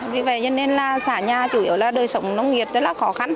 vì vậy nên xã nhà chủ yếu là đời sống nông nghiệp rất là khó khăn